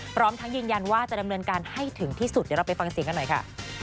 พร้อมทั้งยืนยันว่าจะดำเนินการให้ถึงที่สุดเดี๋ยวเราไปฟังเสียงกันหน่อยค่ะ